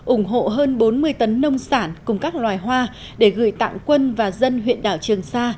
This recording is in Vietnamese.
ủng hộ hơn bốn mươi tấn nông sản cùng các loài hoa để gửi tặng quân và dân huyện đảo trường sa